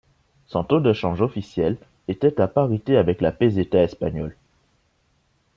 Son taux de change officiel était à parité avec la peseta espagnole.